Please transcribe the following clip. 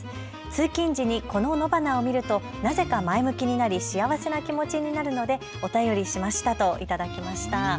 通勤時にこの野花を見るとなぜか前向きになり幸せな気持ちになるのでお便りしましたと頂きました。